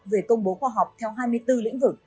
về công bố khoa học theo hai mươi bốn lĩnh vực